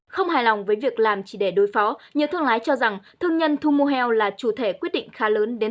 không hài lòng với việc làm chỉ để đối phó nhiều thương lái cho rằng thương nhân thu mua heo là chủ thể quyết định khá lớn